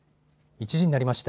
１時になりました。